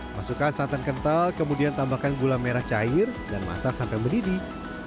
masukkan santan kental kemudian tambahkan gula merah cair dan masak sampai mendidih